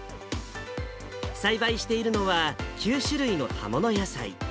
栽培しているのは、９種類の葉物野菜。